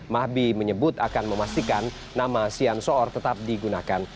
mahbi menyebut akan memastikan nama sian soor tetap digunakan